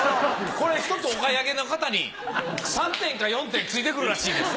これ１つお買い上げの方に３点か４点ついてくるらしいです。